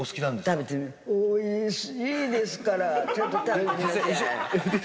食べてみて、おいしいですから、ちょっと食べてみなさい。